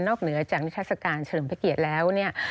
นอกเหนือจากนิทราศกาลเฉลิมพระเกียรติแล้ว